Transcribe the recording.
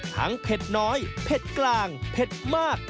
เผ็ดน้อยเผ็ดกลางเผ็ดมาก